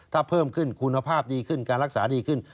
ถ้าเพิ่มขึ้นคุณภาพดีขึ้นการรักษาดีขึ้น